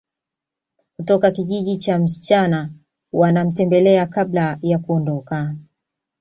Kutoka kijiji cha msichana wanamtembelea kabla ya kuondoka